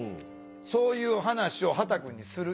そういう話を畑くんにする？